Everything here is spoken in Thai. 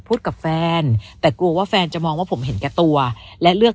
พูดกับแฟนแต่กลัวว่าแฟนจะมองว่าผมเห็นแก่ตัวและเลือก